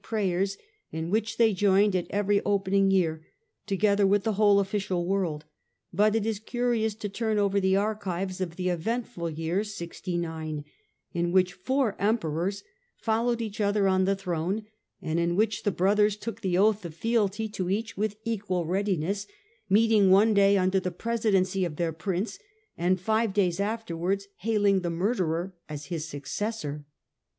prayers in which they joined at every open ing year together with the whole official world ; but it is curious to turn over the archives of the eventful year 69, in which four Emperors followed each other on the throne, and in which the Brothers took the oath of fealty to each with equal readiness, meeting one day under the presidency of their prince, and five days afterwards hail ing the murderer as his successor.